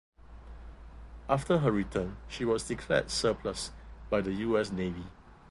After her return she was declared surplus by the U. S. Navy.